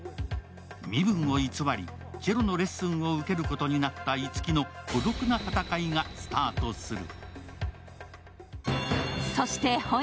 身分を偽り、チェロのレッスンを受けることになった樹の孤独な戦いがスタートする。